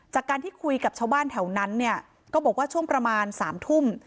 จากการที่คุยกับชาวบ้านแถวนั้นเนี่ยก็บอกว่าช่วงประมาณ๓ทุ่ม